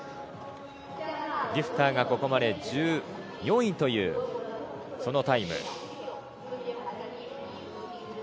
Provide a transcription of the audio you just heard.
ドゥフターがここまで１４位というタイム。